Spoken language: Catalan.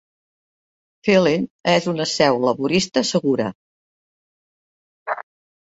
Felling és una seu Laborista segura.